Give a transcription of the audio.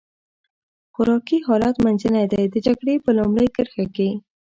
خوراکي حالت منځنی دی، د جګړې په لومړۍ کرښه کې.